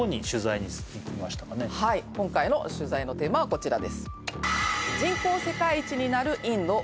今回の取材のテーマはこちらです。